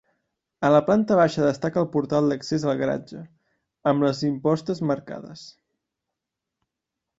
A la planta baixa destaca el portal d'accés al garatge, amb les impostes marcades.